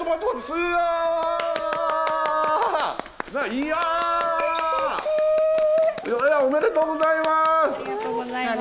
ステキ！おめでとうございます！